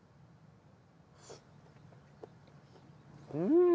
うん！